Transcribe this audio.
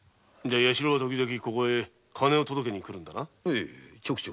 弥四郎は時々ここへ金を届けに来るんだな。